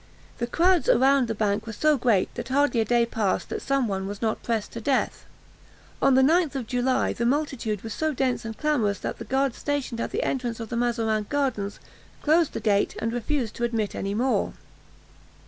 The crowds around the bank were so great, that hardly a day passed that some one was not pressed to death. On the 9th of July, the multitude was so dense and clamorous that the guards stationed at the entrance of the Mazarin Gardens closed the gate and refused to admit any more.